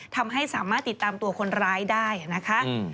ทำให้สามารถติดตามตัวคนร้ายได้นะคะ